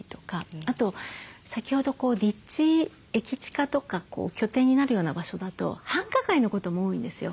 あと先ほど立地駅近とか拠点になるような場所だと繁華街のことも多いんですよ。